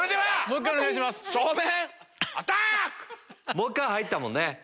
もう１回入ったもんね。